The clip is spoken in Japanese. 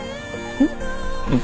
うん？